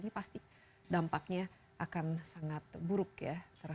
ini pasti dampaknya akan sangat buruk ya